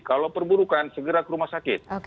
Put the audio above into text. kalau perburukan segera ke rumah sakit